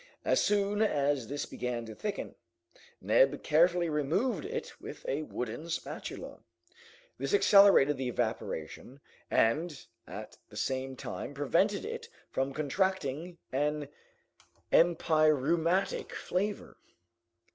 As soon as this began to thicken, Neb carefully removed it with a wooden spatula; this accelerated the evaporation, and at the same time prevented it from contracting an empyreumatic flavor.